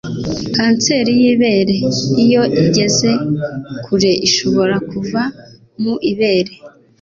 Kanseri y'ibere iyo igeze kure ishobora kuva mu ibere